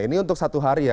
ini untuk satu hari ya